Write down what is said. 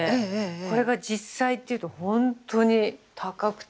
これが実際っていうとほんとに高くて。